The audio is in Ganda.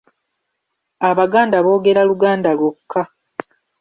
Abaganda boogera Luganda lwokka.